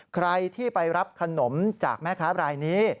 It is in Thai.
ใครที่ไปรับขนมจากแม่ค้ารายนี้